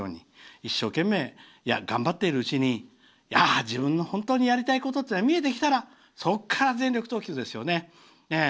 一生懸命頑張っているうちに自分のやりたいことが見えてきたらそこから全力投球ですよね。